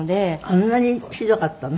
あんなにひどかったの？